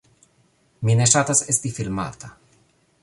Mi ne ŝatas esti filmata